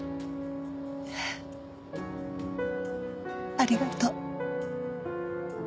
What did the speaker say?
ありがとう。